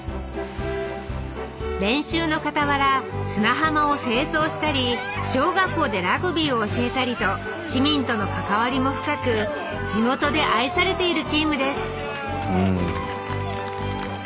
練習のかたわら砂浜を清掃したり小学校でラグビーを教えたりと市民との関わりも深く地元で愛されているチームです